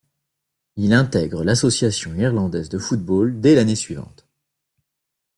Il intègre l'Association irlandaise de football dès l'année suivante.